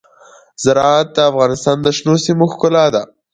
زراعت د افغانستان د شنو سیمو ښکلا ده.